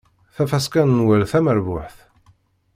Tafaska n Nwal tamerbuḥt.